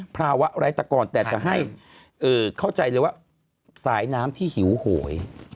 ไร้ตะกรแต่จะให้เข้าใจเลยว่าสายน้ำที่หิวโหย